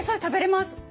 食べれます。